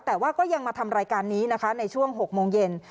แต่ว่าก็ยังมาทำรายการนี้นะคะในช่วง๖โมงเย็น